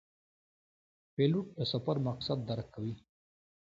پیلوټ د سفر مقصد درک کوي.